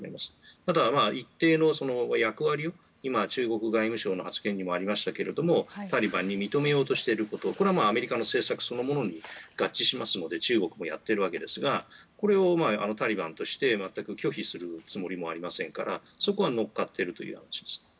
ただ、一定の役割を中国外務省の発言にもありましたけどタリバンに認めようとしているこれはアメリカの政策そのものに合致しますので中国もやっているわけですがこれをタリバンとして全く拒否するつもりもありませんからそこは乗っかっているという話です。